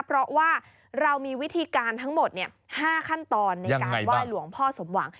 เพราะว่าเรามีวิธีการทั้งหมด๕ขั้นตอนในการไหว้หลวงพ่อสมหวัง